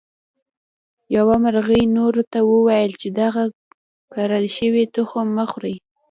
یوه مرغۍ نورو ته وویل چې دغه کرل شوي تخم مه خورئ.